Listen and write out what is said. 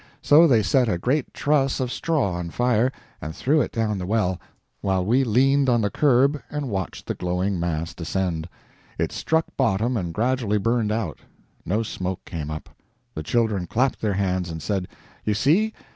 So they set a great truss of straw on fire and threw it down the well, while we leaned on the curb and watched the glowing mass descend. It struck bottom and gradually burned out. No smoke came up. The children clapped their hands and said: "You see!